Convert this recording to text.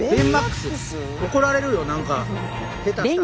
怒られるよ何か下手したら！